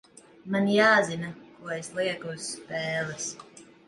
Man jāzina, ko es lieku uz spēles.